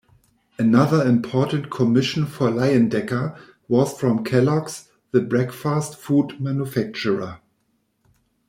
Another important commission for Leyendecker was from Kellogg's, the breakfast food manufacturer.